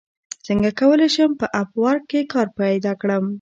څنګه کولی شم په اپ ورک کې کار پیدا کړم